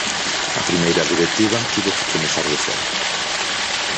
A primeira directiva tivo que comezar de cero.